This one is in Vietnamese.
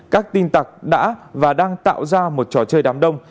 các tin tặc đã và đang tạo ra một trò chơi đám đông